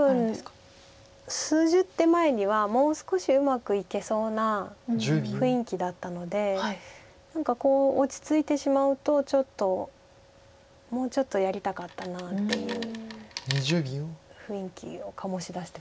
多分数十手前にはもう少しうまくいけそうな雰囲気だったので何かこう落ち着いてしまうとちょっともうちょっとやりたかったなっていう雰囲気を醸し出してます。